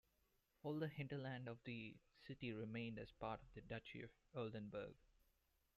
All the hinterland of the city remained as part of the Duchy of Oldenburg.